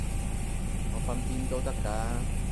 我瞓邊都得㗎